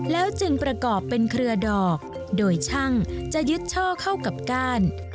แล้วจึงประกอบเป็นเครือดอกโดยช่างจะยึดช่อเข้ากับก้าน